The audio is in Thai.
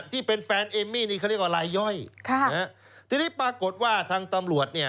ที่เป็นแฟนเอมมี่นี่เขาเรียกว่าลายย่อยค่ะนะฮะทีนี้ปรากฏว่าทางตำรวจเนี่ย